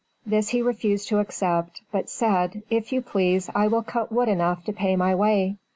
This he refused to accept, but said, "If you please, I will cut wood enough to pay my way."